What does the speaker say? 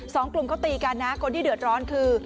สองกลุ่มเขาตีกันนะคนที่เดือดร้อนคือ